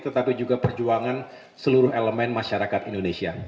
tetapi juga perjuangan seluruh elemen masyarakat indonesia